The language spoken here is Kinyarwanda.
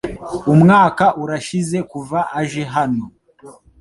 Umwaka urashize kuva aje hano.